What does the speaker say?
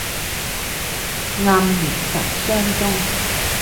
黯然神傷中